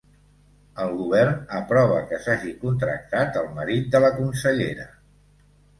El govern aprova que s'hagi contractat el marit de la consellera